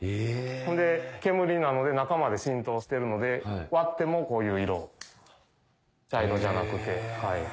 ほんで煙なので中まで浸透してるので割ってもこういう色茶色じゃなくて。